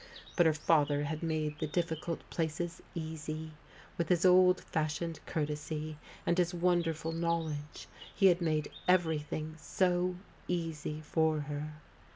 Bui her father had made the difficult places easy. With his old fashioned coartes>', and his wonderful knowledge, he had made everything so easy for her.